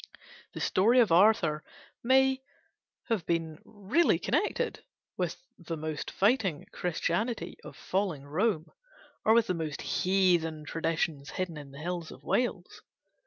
The story of Arthur may have been really connected with the most fighting Christianity of falling Rome or with the most heathen traditions hidden in the hills of Wales.